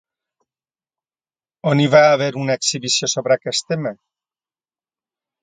On hi va haver una exhibició sobre aquest tema?